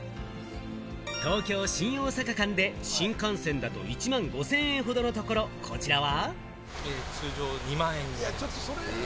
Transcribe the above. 東京ー新大阪間で新幹線だと１万５０００円ほどのところ、こちらは。